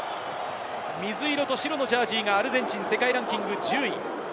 水色と白のジャージーがアルゼンチン、世界ランキング１０位。